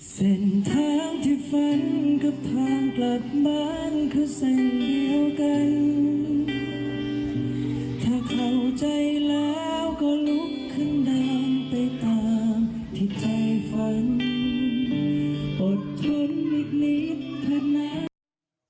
เส้นทางที่ฝันกับทางกลับบ้านคือเส้นเดียวกันถ้าเข้าใจแล้วก็ลุกขึ้นเดินไปตามที่ใจฝันอดทนนิดเท่านั้น